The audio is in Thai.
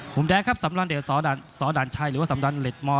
หนุ่มแดงครับสำราญเดียวสอดัญสอดัญชัยหรือว่าสำราญเหล็กมอร์